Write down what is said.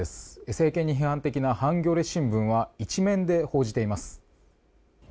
政権に批判的なハンギョレ新聞は１面で報じています。